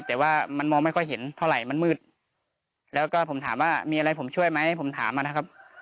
แต่ว่ามันมองไม่ค่อยเห็นเท่าไหร่มันมืดแล้วก็ผมถามว่ามีอะไรผมช่วยไหมผมถามมานะครับ